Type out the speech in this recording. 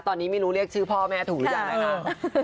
ตอนนี้ไม่รู้เรียกชื่อพ่อแม่ถูกหรือยังนะคะ